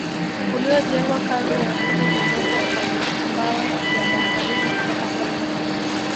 Uliojengwa karne ya kumi na moja kwa matumbawe ya baharini kutoka pwani